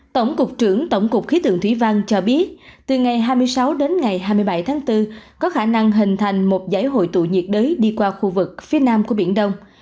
tổng cục trưởng tổng cục khí tượng thủy văn cho biết từ ngày hai mươi sáu đến ngày hai mươi bảy tháng bốn có khả năng hình thành một giải hội tụ nhiệt đới đi qua khu vực phía nam của biển đông